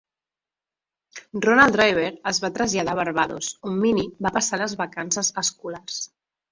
Ronald Driver es va traslladar a Barbados, on Minnie va passar les vacances escolars.